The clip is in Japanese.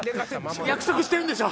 約束してるんでしょ？